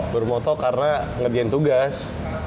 baru moto karena ngerjain tugas